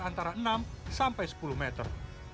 antara enam sampai sepuluh meter